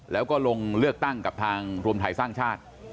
แล้วก็ลงเลือกตั้งกับทางรวมไทยสร้างชาติ